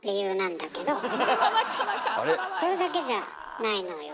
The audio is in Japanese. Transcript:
それだけじゃないのよ。